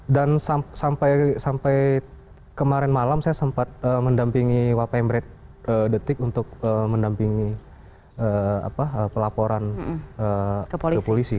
dan sampai kemarin malam saya sempat mendampingi wp emret detik untuk mendampingi pelaporan ke polisi